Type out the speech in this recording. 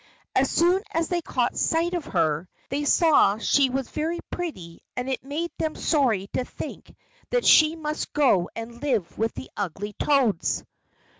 As soon as they caught sight of her, they saw she was very pretty, and it made them sorry to think that she must go and live with the ugly toads.